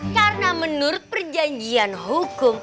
karena menurut perjanjian hukum